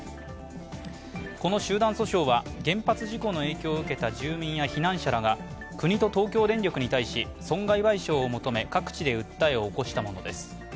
この集団訴訟は原発事故の影響を受けた住民や避難者らが国と東京電力に対し損害賠償を求め各地で訴えを起こしたものです。